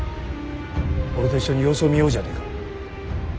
俺と一緒に様子を見ようじゃねえか。